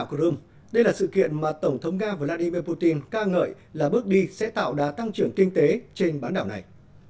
bán đảo crimea đây là sự kiện mà tổng thống nga vladimir putin ca ngợi là bước đi sẽ tạo đá tăng trưởng kinh tế trên bán đảo này